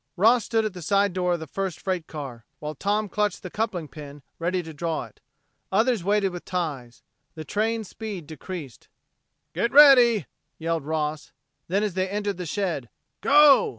Ross stood at the side door of the first freight car, while Tom clutched the coupling pin, ready to draw it. Others waited with ties. The train's speed decreased. "Get ready," yelled Ross; then, as they entered the shed, "Go!"